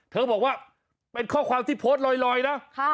เธอบอกว่าเป็นข้อความที่โปรดลอยลอยนะค่ะ